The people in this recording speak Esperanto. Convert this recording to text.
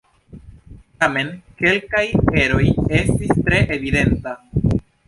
Tamen, kelkaj eroj estis tre evidentaj.